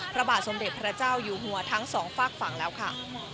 พระบาทสมเด็จพระเจ้าอยู่หัวทั้งสองฝากฝั่งแล้วค่ะ